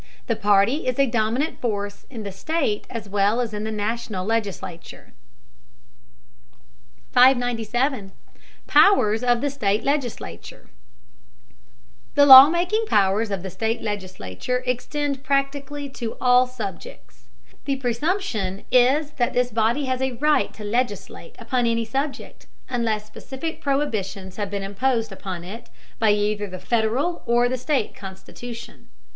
The party is a dominant force in the state as well as in the national legislature. 597. POWERS OF THE STATE LEGISLATURE The law making powers of the state legislature extend to practically all subjects. The presumption is that this body has a right to legislate upon any subject, unless specific prohibitions have been imposed upon it by either the Federal or the state constitution.